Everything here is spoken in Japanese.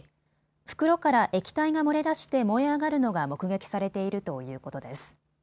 袋から液体が漏れ出して燃え上がるのが目撃されているということです。